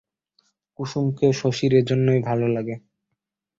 কুসুমকে শশীর এইজন্যই ভালো লাগে।